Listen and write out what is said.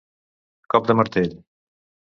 Cop de martell.